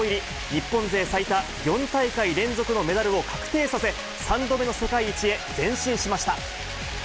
日本勢最多、４大会連続のメダルを確定させ、３度目の世界一へ前進しました。